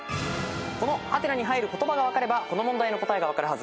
この「？」に入る言葉が分かればこの問題の答えが分かるはず。